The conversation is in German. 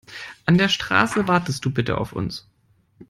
An der Straße wartest du bitte auf uns.